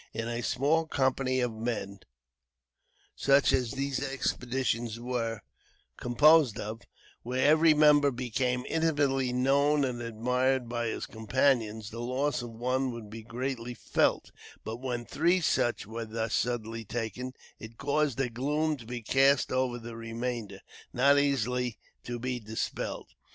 In a small company of men, such as these expeditions were composed of, where every member becomes intimately known and admired by his companions, the loss of one would be greatly felt; but, when three such were thus suddenly taken, it caused a gloom to be cast over the remainder, not easily to be dispelled.